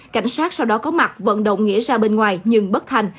cảnh sát sau đó có mặt vận động nghĩa ra bên ngoài nhưng bất thành